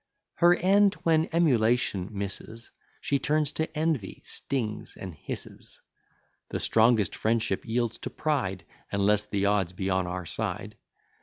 Her end when Emulation misses, She turns to Envy, stings and hisses: The strongest friendship yields to pride, Unless the odds be on our side.